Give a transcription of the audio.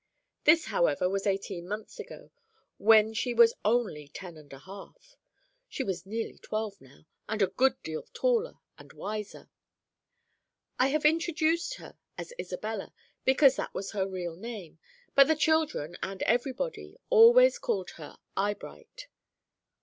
This, however, was eighteen months ago, when she was only ten and a half. She was nearly twelve now, and a good deal taller and wiser. I have introduced her as Isabella, because that was her real name, but the children and everybody always called her Eyebright.